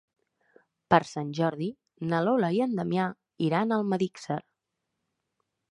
Per Sant Jordi na Lola i en Damià iran a Almedíxer.